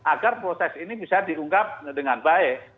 agar proses ini bisa diungkap dengan baik